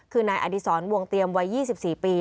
คือนายอดีศรวงเตรียมวัย๒๔ปี